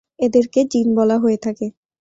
এদেরকে জিন বলা হয়ে থাকে।